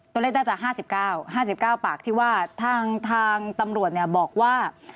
ตัวเล่นได้จากห้าสิบเก้าห้าสิบเก้าปากที่ว่าทางทางตำรวจเนี่ยบอกว่า